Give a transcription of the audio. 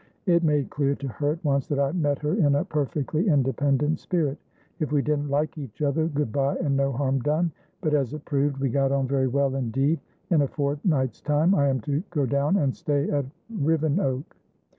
It made clear to her at once that I met her in a perfectly independent spirit. If we didn't like each other, good bye, and no harm done. But, as it proved, we got on very well indeed. In a fortnight's time I am to go down and stay at Rivenoak."